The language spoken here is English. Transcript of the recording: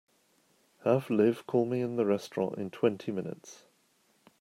Have Liv call me in the restaurant in twenty minutes.